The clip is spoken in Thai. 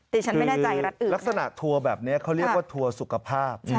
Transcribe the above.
ดิฉันไม่แน่ใจรัฐอื่นลักษณะทัวร์แบบนี้เขาเรียกว่าทัวร์สุขภาพ